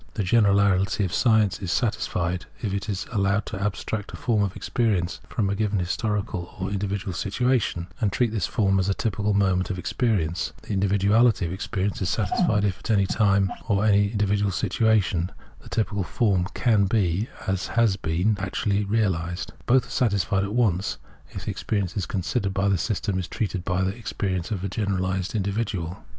The generality of science is satisfied if it is allowed to abstract a form of experience from a given historical or individual situation, and treat this form as a typical moment of experience ; the individu ality of experience is satisfied if at any time, or in any individual situation, the typical form can be, has been, or is, actually realised ; both are satisfied at once if the experience considered by this system is treated as the experience of a generahsed individual.